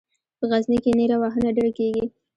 په غزني کې نیره وهنه ډېره کیږي.